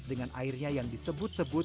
dengan airnya yang disebut sebut